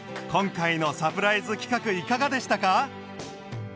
今回のサプライズ企画いかがでしたか？